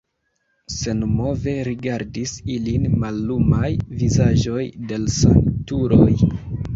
Senmove rigardis ilin mallumaj vizaĝoj de l' sanktuloj.